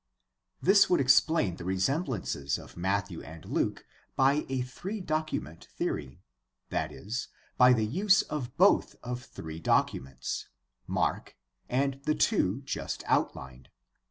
— This would explain the resem blances of Matthew and Luke by a three document theory, that is, by the use by both of three documents — Mark, and the two just outlined.